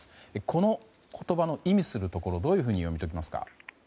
この言葉の意味するところどういうふうに読み解きますか？